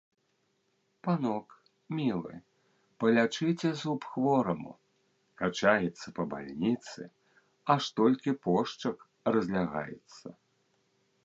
Панок, мілы, палячыце зуб хвораму, качаецца па бальніцы, аж толькі пошчак разлягаецца.